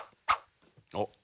おっ。